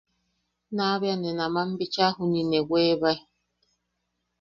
Naʼa bea ne naman bicha juniʼi ne weebae.